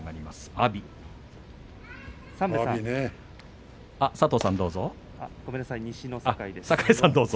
阿炎です。